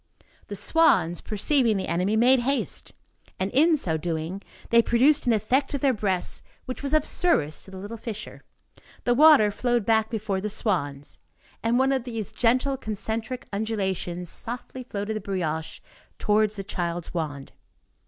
The swans, perceiving the enemy, made haste, and in so doing, they produced an effect of their breasts which was of service to the little fisher; the water flowed back before the swans, and one of these gentle concentric undulations softly floated the brioche towards the child's wand.